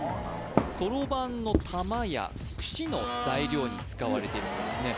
そろばんの玉やくしの材料に使われているそうですね